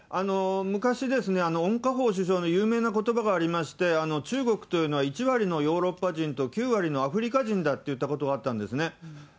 昔ですね、温家宝首相の有名なことばがありまして、中国というのは１割のヨーロッパ人と９割のアフリカ人だって言ったことがあったんですね。